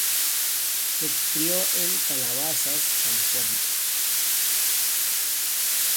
Se crio en Calabasas, California.